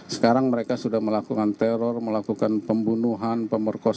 sekarang mereka sudah melakukan teror melakukan pembunuhan pemerkosaan